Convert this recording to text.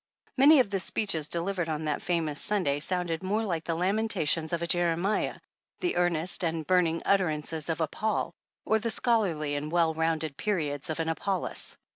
Many of the speeches delivered on that famous Sunday sounded more like the lamentations of a Jeremiah, the earnest and burning utterances of a Paul, or the scholarly and well rounded periods of an Apollos.